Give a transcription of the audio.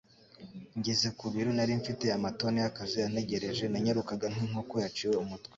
Ngeze ku biro, nari mfite amatoni y'akazi antegereje. Nanyarukaga nkinkoko yaciwe umutwe.